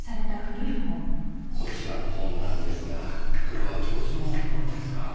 こちらの本なんですがこれは教授のものですか？